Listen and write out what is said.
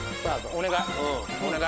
お願い